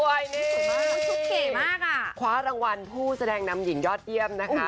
อันนี้สุดมากทุกเก๋มากอ่ะคว้ารางวัลผู้แสดงนำหญิงยอดเยี่ยมนะคะ